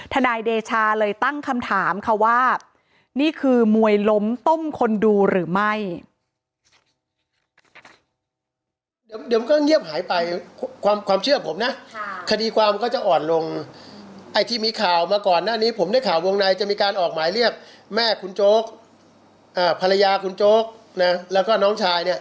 นายเดชาเลยตั้งคำถามค่ะว่านี่คือมวยล้มต้มคนดูหรือไม่